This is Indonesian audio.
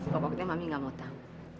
pokoknya mami gak mau tau